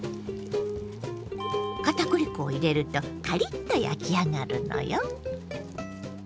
片栗粉を入れるとカリッと焼き上がるのよ。